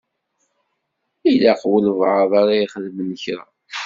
Ilaq walebɛaḍ ara ixedmen kra.